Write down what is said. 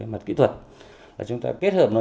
mặt kỹ thuật chúng ta kết hợp nó